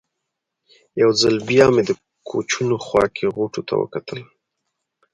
یو ځل بیا مې د کوچونو خوا کې غوټو ته وکتل.